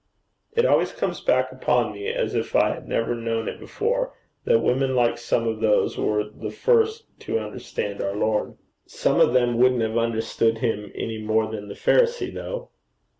'It always comes back upon me, as if I had never known it before, that women like some of those were of the first to understand our Lord.' 'Some of them wouldn't have understood him any more than the Pharisee, though.'